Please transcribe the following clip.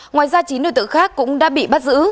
ngoài ra chín đối tượng khác cũng đã bị bắt giữ